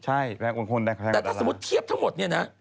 ใช่แต่ถ้าสมมุติเทียบทั้งหมดเนี่ยนะ